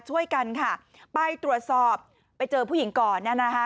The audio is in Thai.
ช่วยกันค่ะไปตรวจสอบไปเจอผู้หญิงก่อนเนี่ยนะคะ